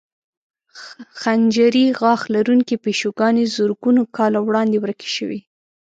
خنجري غاښ لرونکې پیشوګانې زرګونو کاله وړاندې ورکې شوې.